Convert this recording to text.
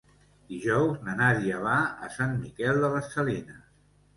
Dijous na Nàdia va a Sant Miquel de les Salines.